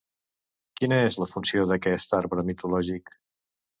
Quina és la funció d'aquest arbre mitològic?